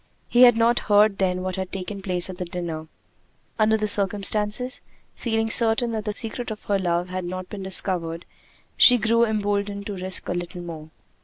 He had not heard then what had taken place at the dinner. Under the circumstances, feeling certain that the secret of her love had not been discovered, she grew emboldened to risk a little more.